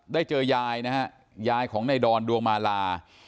ได้เจอยายนะฮะยายของในดอนดวงมาลา